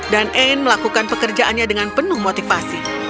anne melakukan pekerjaannya dengan penuh motivasi